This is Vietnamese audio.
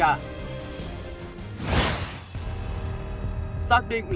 xác định lòng vốn nghiện game